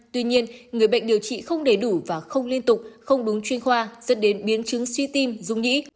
tuy nhiên người bệnh điều trị không đầy đủ và không liên tục không đúng chuyên khoa dẫn đến biến chứng suy tim dung nhĩ